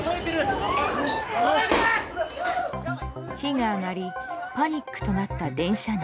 火が上がりパニックとなった電車内。